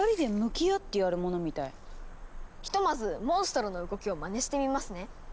ひとまずモンストロの動きをまねしてみますね。